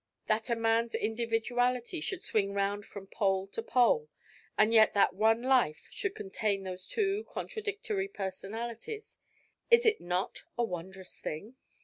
That a man's individuality should swing round from pole to pole, and yet that one life should contain these two contradictory personalities is it not a wondrous thing?